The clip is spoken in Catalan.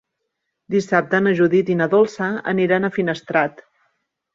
Dissabte na Judit i na Dolça aniran a Finestrat.